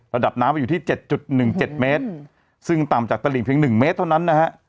ระดับน้ำอยู่ที่๗๑๗เมตรซึ่งต่ำจากตลิงเพียง๑เมตรเท่านั้นนะฮะ